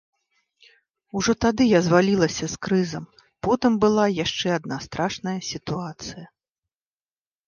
Ужо тады я звалілася з крызам, потым была яшчэ адна страшная сітуацыя.